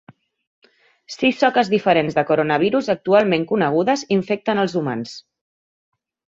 Sis soques diferents de coronavirus actualment conegudes infecten els humans.